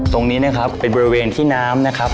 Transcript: ตรงนี้นะครับเป็นบริเวณที่น้ำนะครับ